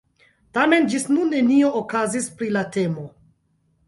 Tamen ĝis nun nenio okazis pri la temo.